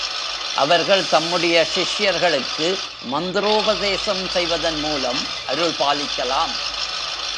அவர்கள் தம்முடைய சிஷ்யர்களுக்கு மந்திரோபதேசம் செய்வதன் மூலம் அருள் பாலிக்கலாம்.